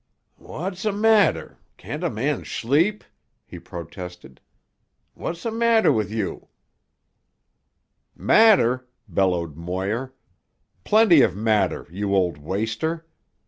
"Wha' smatter? Can't a man shleep?" he protested. "Wha' smatter with you?" "Matter!" bellowed Moir. "Plenty of matter, you old waster.